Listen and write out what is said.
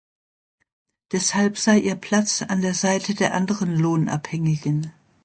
Deshalb sei ihr Platz an der Seite der anderen Lohnabhängigen.